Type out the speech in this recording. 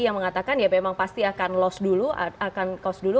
yang mengatakan ya memang pasti akan loss dulu